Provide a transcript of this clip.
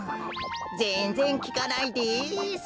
ぜんぜんきかないです。